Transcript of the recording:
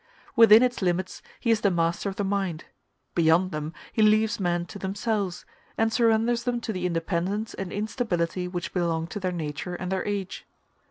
Within its limits he is the master of the mind; beyond them, he leaves men to themselves, and surrenders them to the independence and instability which belong to their nature and their age.